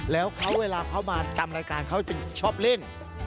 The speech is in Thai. แล้วเขาเวลาเขามาตามรายการเขาจะชอบเล่น